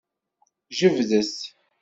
Jebdet.